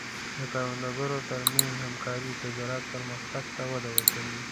د کروندګرو تر منځ همکاري د زراعت پرمختګ ته وده ورکوي.